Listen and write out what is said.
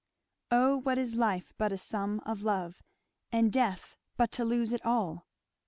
O what is life but a sum of love, And death but to lose it all?